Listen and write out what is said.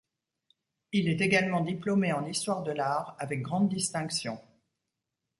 Il est également diplômé en histoire de l’art avec grande distinction.